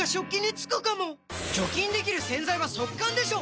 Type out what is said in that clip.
除菌できる洗剤は速乾でしょ！